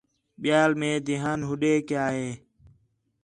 ٻِیال مئے دھیان ہوݙے کَیا ہِے